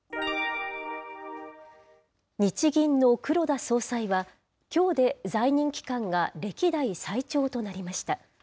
日銀の黒田総裁は、きょうで在任期間が歴代最長となりました。